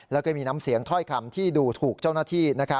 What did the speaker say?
แล้วก็มีน้ำเสียงถ้อยคำที่ดูถูกเจ้าหน้าที่